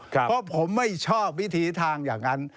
เพราะผมไม่ชอบวิถีทางอย่างนั้น